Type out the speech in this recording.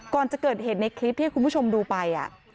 ก่อนจะเกิดเหตุในคลิปที่คุณผู้ชมดูไป